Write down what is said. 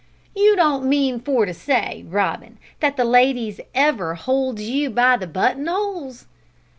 "You don't mean for to say, Robin, that the ladies ever holds you by the button 'oles?"